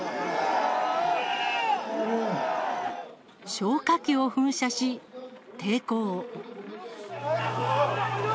消火器を噴射し、抵抗。